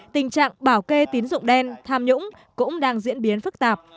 tình trạng bảo kê tín dụng đen tham nhũng cũng đang diễn biến phức tạp